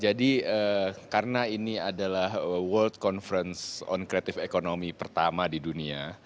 jadi karena ini adalah world conference on creative economy pertama di dunia